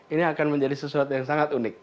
ini akan menjadi sesuatu yang sangat unik